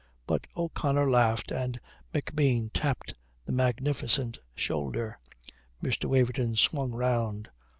But O'Connor laughed and McBean tapped the magnificent shoulder. Mr. Waverton swung round.